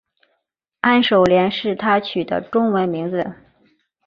安守廉是他取的中文名字。